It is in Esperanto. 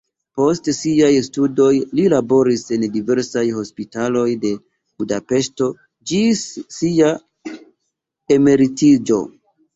Post siaj studoj li laboris en diversaj hospitaloj de Budapeŝto ĝis sia emeritiĝo.